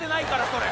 それ。